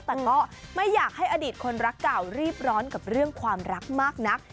แต่ก็ไม่อยากให้อดีตคนรักเก่ารีบร้อนกับเรื่องความรักมากนัก